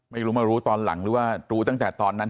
ไม่รู้มารู้ตอนหลังหรือว่ารู้ตั้งแต่ตอนนั้น